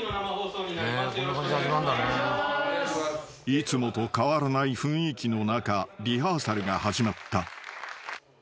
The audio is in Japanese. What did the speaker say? ［いつもと変わらない雰囲気の中リハーサルが始まった］